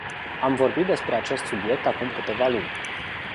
Am vorbit despre acest subiect acum câteva luni.